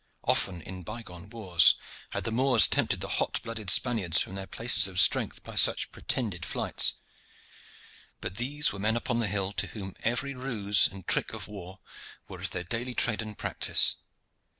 Often in bygone wars had the Moors tempted the hot blooded Spaniards from their places of strength by such pretended flights, but there were men upon the hill to whom every ruse and trick of war were as their daily trade and practice.